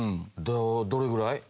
どれぐらい？